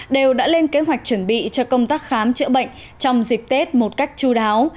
đều đã lên kế hoạch chuẩn bị cho công tác khám chữa bệnh trong dịp tết một cách chú đáo